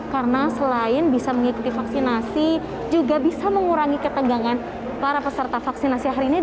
karena selain bisa mengikuti vaksinasi juga bisa mengurangi ketegangan para peserta vaksinasi hari ini